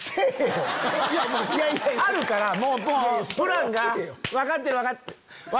あるからもうプランが分かってる分かってる。